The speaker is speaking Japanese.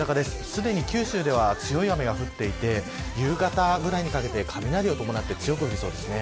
すでに九州では強い雨が降っていて夕方くらいにかけて雷を伴って強く降りそうです。